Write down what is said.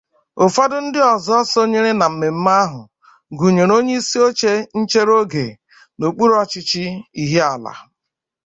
Ụfọdụ ndị ọzọ sonyere na mmemme ahụ gụnyèrè onyeisioche nchere ogè n'okpuru ọchịchị Ihiala